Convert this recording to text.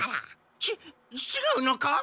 ちちがうのか？